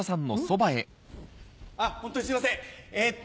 あっホントにすいませんえっと。